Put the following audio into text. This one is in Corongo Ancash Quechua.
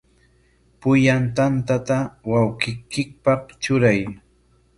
Pullan tantata wawqiykipaq truray.